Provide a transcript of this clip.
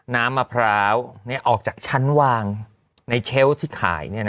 น้ำมะพร้าวออกจากชั้นวางในเชลล์ที่ขาย